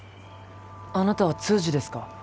あなたは通詞ですか？